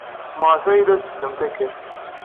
Maɣef ay la tetteddumt akken?